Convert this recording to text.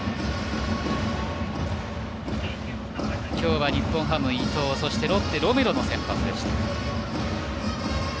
きょうは日本ハム伊藤そしてロッテはロメロの先発でした。